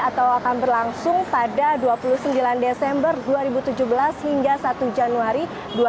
atau akan berlangsung pada dua puluh sembilan desember dua ribu tujuh belas hingga satu januari dua ribu delapan belas